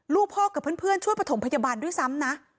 ลูกพ่อกับเพื่อนช่วยประถมพยาบาลด้วยซ้ำนะ